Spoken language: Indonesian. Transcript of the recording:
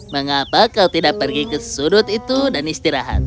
mengapa kau tidak pergi ke sudut itu dan istirahat